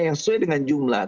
yang sesuai dengan jumlah